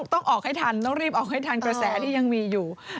ต้องออกให้ทันต้องรีบออกให้ทันกระแสที่ยังมีอยู่